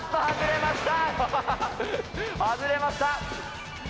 外れました。